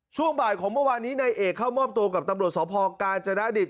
ช่วงบ่ายของเมื่อวานนี้นายเอกเข้ามอบตัวกับตำรวจสพกาญจนดิต